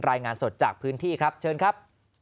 รายงานสดจากพื้นที่ครับเชิญครับ